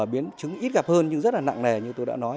biến chứng ít gặp hơn nhưng rất là nặng nề như tôi đã nói